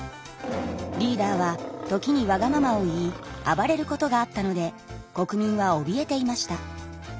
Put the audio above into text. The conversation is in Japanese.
リーダーは時にわがままを言い暴れることがあったので国民はおびえていました。